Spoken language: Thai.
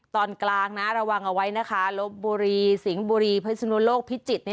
ตอนกลางนะระวังเอาไว้นะคะลบบุรีสิงห์บุรีพิศนุโลกพิจิตร